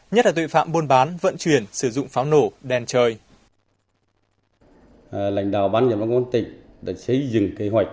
nhất là tội phạm buôn bán